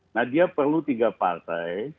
nah dia perlu tiga partai